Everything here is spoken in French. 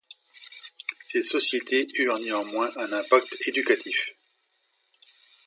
Ces sociétés eurent néanmoins un impact éducatif.